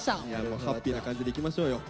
もうハッピーな感じでいきましょうよ。